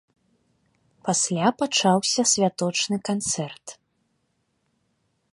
Пасля пачаўся святочны канцэрт.